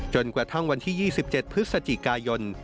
กระทั่งวันที่๒๗พฤศจิกายน